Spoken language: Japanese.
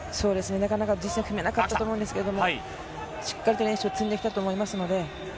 なかなか実戦を踏めなかったと思うんですけれど、しっかり練習を積んできたと思います。